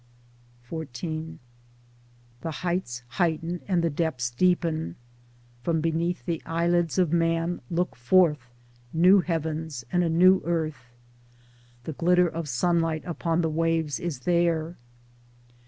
XIV The heights heighten and the depths deepen ; from beneath the eyelids of man look forth new heavens and a new earth. The glitter of sunlight upon the waves is there.